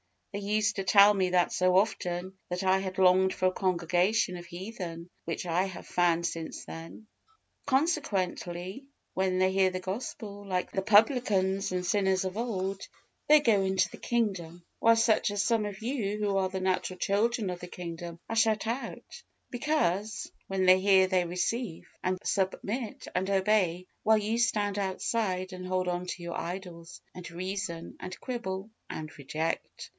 They used to tell me that so often, that I longed for a congregation of heathen, which I have found since then. Consequently, when they hear the Gospel, like the publicans and sinners of old, they go into the kingdom, while such as some of you who are the natural children of the kingdom, are shut out, because when they hear they receive, and submit, and obey, while you stand outside and hold on to your idols, and reason, and quibble, and reject!